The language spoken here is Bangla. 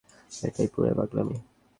এটা পুরাই পাগলামি।